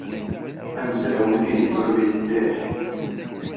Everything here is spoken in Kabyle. Amezraw-nni d urmid mliḥ.